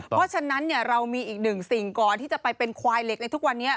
เพราะฉะนั้นเรามีอีกหนึ่งสิ่งก่อนที่จะไปเป็นควายเหล็กในทุกวันนี้